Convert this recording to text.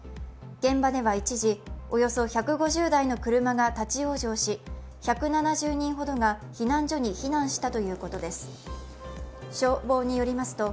現場では一時、およそ１５０台の車が立往生し、１７０人ほどが避難所に避難したということです。